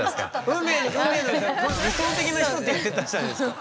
運命の運命の理想的な人って言ってたじゃないですか。